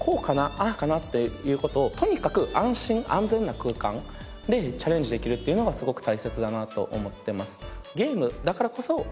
ああかな？っていう事をとにかく安心安全な空間でチャレンジできるっていうのがすごく大切だなと思ってます。